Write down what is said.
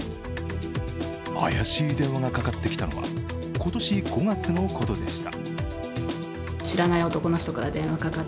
怪しい電話がかかってきたのは今年５月のことでした。